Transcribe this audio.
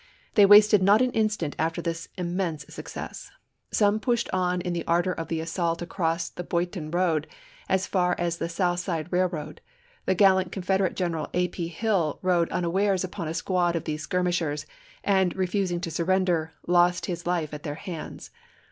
They wasted not an instant after this immense success. Some pushed on in the ardor of the assault across the Boydton Hum roa(* as ^ar ^ne South Side Railroad; the gallant #The8' Confederate general A. P. Hill rode unawares upon clmpSpi a squad of these skirmishers, and, refusing to sur »6°5," p.^es. render, lost his life at their hands.